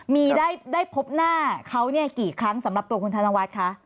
มีได้พบหน้าเขาเนี่ยกี่ครั้งสำหรับตัวคุณธนวัฒน์คะ